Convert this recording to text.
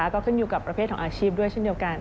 ก็ขึ้นอยู่กับประเภทของอาชีพด้วยเช่นเดียวกัน